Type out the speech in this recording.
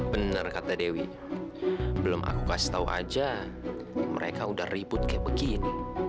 benar kata dewi belum aku kasih tahu aja mereka udah ribut kayak begini